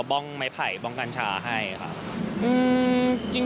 บ้องไม้ไผ่บ้องกัญชาให้ครับ